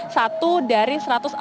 satu dari satu ratus empat puluh empat